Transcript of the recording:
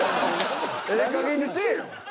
ええかげんにせぇよ。